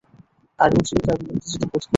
আর উজ্জীবিত এবং উত্তেজিত বোধ করছি।